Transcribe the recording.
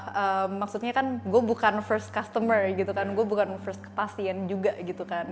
karena maksudnya kan gue bukan first customer gitu kan gue bukan first pasien juga gitu kan